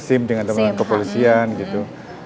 sim dengan teman teman kepolisian gitu